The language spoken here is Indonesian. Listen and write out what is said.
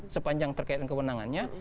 sepanjang terkait kewawenangannya